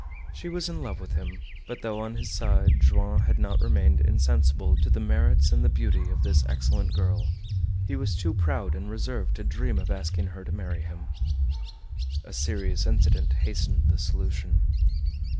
She was in love with him, but though on his side Joam had not remained insensible to the merits and the beauty of this excellent girl, he was too proud and reserved to dream of asking her to marry him. A serious incident hastened the solution.